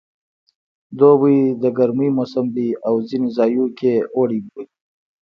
دوبی د ګرمي موسم دی او ځینې ځایو کې اوړی بولي